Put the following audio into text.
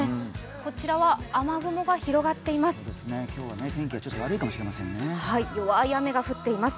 こちらは雨雲が広がっています。